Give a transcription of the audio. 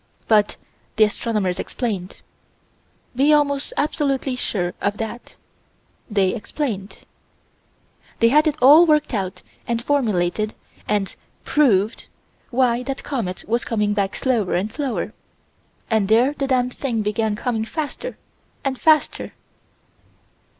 But the astronomers explained. Be almost absolutely sure of that: they explained. They had it all worked out and formulated and "proved" why that comet was coming back slower and slower and there the damn thing began coming faster and faster.